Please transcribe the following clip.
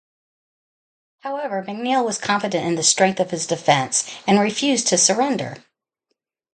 However, McNeil was confident in the strength of his defense and refused to surrender.